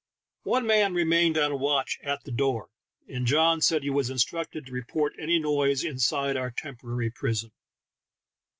One man remained on watch at the door, and John said he was instructed to report any noise inside our temporary prison.